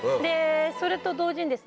それと同時にですね